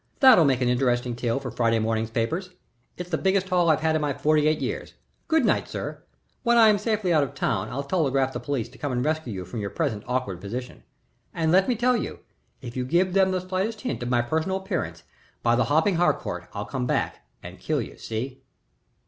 "That'll make an interesting tale for Friday morning's papers. It's the biggest haul I've made in forty eight years. Good night, sir. When I am safely out of town I'll telegraph the police to come and rescue you from your present awkward position. And let me tell you, if you give them the slightest hint of my personal appearance, by the hopping Harcourt, I'll come back and kill you. See?"